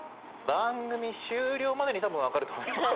番組終了までに多分分かると思います。